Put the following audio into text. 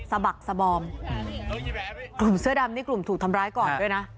บักสบอมกลุ่มเสื้อดำนี่กลุ่มถูกทำร้ายก่อนด้วยนะ